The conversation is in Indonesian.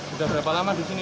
sudah berapa lama di sini